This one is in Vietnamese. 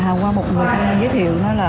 hôm qua một người thân mình giới thiệu nói là